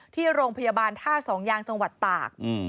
ที่โรงพยาบาลท่าสองยางจังหวัดตาก